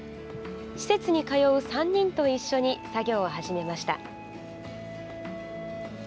施設に通う３人と一緒に作業を始めました。